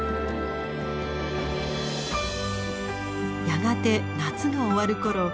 やがて夏が終わるころ